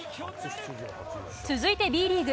続いて、Ｂリーグ。